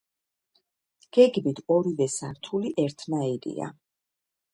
გეგმით ორივე სართული ერთნაირია.